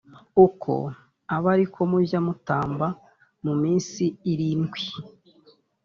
uko abe ari ko mujya mutamba mu minsi irindwi.